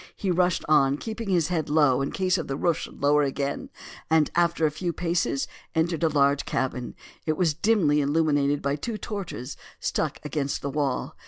He rushed on, keeping his head low in case the roof should lower again, and after a few paces entered a large cabin. It was dimly illuminated by two torches stuck against the wall.